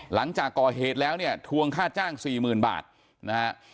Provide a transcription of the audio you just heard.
หลังจากก่อเหตุแล้วเนี่ยทวงค่าจ้าง๔๐๐๐๐บาทนะครับ